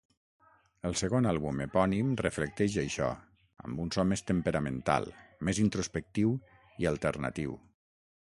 El segon àlbum epònim reflecteix això, amb un so més temperamental, més introspectiu i 'alternatiu'.